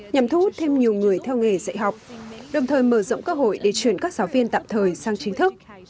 nhằm thu hút thêm nhiều người theo nghề dạy học đồng thời mở rộng cơ hội để chuyển các giáo viên tạm thời sang chính thức